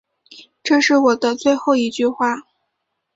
这是我的最后一句话